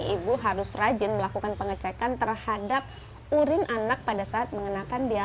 ibu harus rajin melakukan pengecekan terhadap urin anak pada saat mengenakan dialog